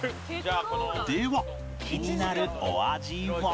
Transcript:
では気になるお味は